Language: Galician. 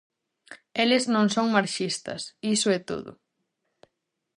Eles non son "marxistas"; iso é todo.